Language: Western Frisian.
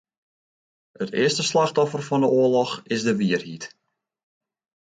It earste slachtoffer fan 'e oarloch is de wierheid.